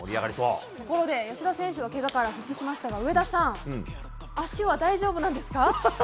吉田選手はけがから復帰しましたが上田さん足は大丈夫なんですか？